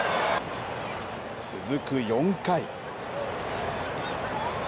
続く４回。